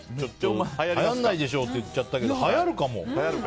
はやらないでしょって言っちゃったけど、はやるかも。